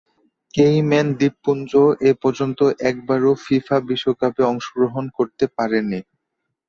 Cayman দ্বীপপুঞ্জ এপর্যন্ত একবারও ফিফা বিশ্বকাপে অংশগ্রহণ করতে পারেনি।